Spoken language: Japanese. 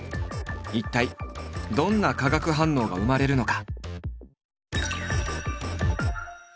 一体どんな化学反応が生まれるのか？